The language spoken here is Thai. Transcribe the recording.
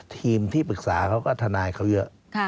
ทีมที่ปรึกษาเขาก็ทนายเขาเยอะ